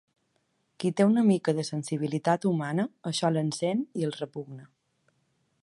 Qui té una mica de sensibilitat humana, això l’encén i el repugna.